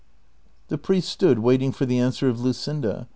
The i)riest stood waiting for the answer of Luseinda.